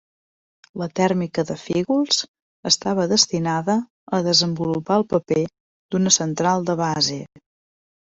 La tèrmica de Fígols estava destinada a desenvolupar el paper d'una central de base.